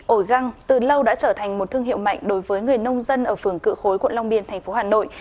ổi găng từ lâu đã trở thành một thương hiệu mạnh đối với người nông dân ở phường cự khối quận long biên thành phố hà nội